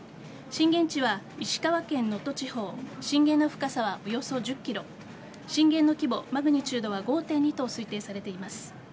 震源地は石川県能登地方震源の深さはおよそ１０ｋｍ震源の規模、マグニチュードは５．２と推定されています。